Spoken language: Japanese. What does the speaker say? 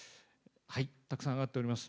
たくさん挙がっております。